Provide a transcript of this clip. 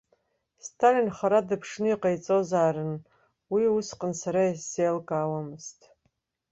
Сталин хара дыԥшны иҟаиҵозаарын, уи усҟан сара исзеилкаауамызт.